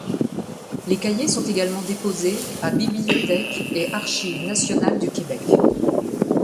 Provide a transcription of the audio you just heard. Les Cahiers sont également déposés à Bibliothèque et Archives nationales du Québec.